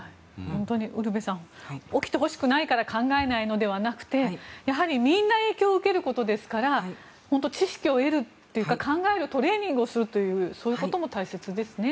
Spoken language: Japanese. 本当にウルヴェさん起きてほしくないから考えないのではなくてやはりみんな影響を受けることですから知識を得るというか考えるトレーニングをすることが大切ですよね。